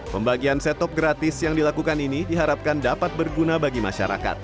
pembagian set top gratis yang dilakukan ini diharapkan dapat berguna bagi masyarakat